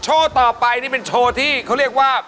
ต่อไปนี่เป็นโชว์ที่เขาเรียกว่า